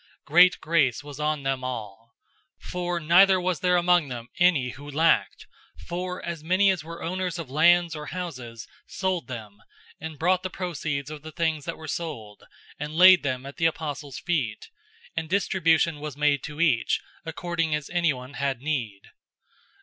Great grace was on them all. 004:034 For neither was there among them any who lacked, for as many as were owners of lands or houses sold them, and brought the proceeds of the things that were sold, 004:035 and laid them at the apostles' feet, and distribution was made to each, according as anyone had need.